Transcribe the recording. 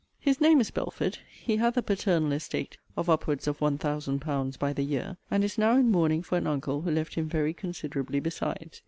His name is Belford. He hath a paternal estate of upwards of one thousand pounds by the year; and is now in mourning for an uncle who left him very considerably besides.